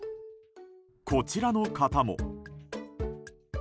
こちらの方も。